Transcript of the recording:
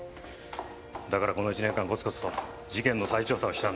だからこの１年間コツコツと事件の再調査をしたんだ。